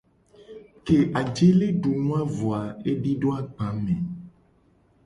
Ke ajele du nu a vo a, edido agba me.